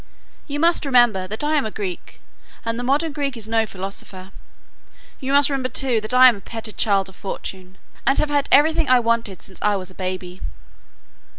"You must remember I am a Greek, and the modern Greek is no philosopher. You must remember, too, that I am a petted child of fortune, and have had everything I wanted since I was a baby."